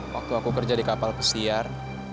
waktu aku kerja di kapal pesiar